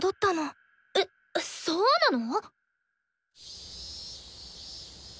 えっそうなの！？